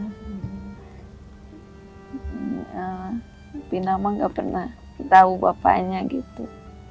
tapi nama gak pernah tau bapaknya gitu